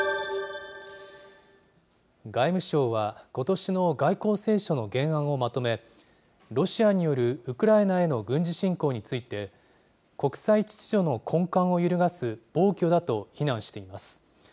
外務省は、ことしの外交青書の原案をまとめ、ロシアによるウクライナへの軍事侵攻について、国際秩序の根幹を揺るがす暴挙だと非難しています。